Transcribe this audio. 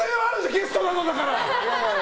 ゲストなのだから。